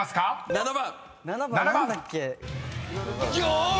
［７番］